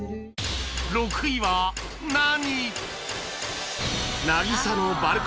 ６位は何？